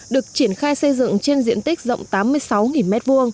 được triển khai xây dựng trên diện tích rộng tám mươi sáu m hai